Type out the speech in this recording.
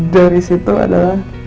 dari situ adalah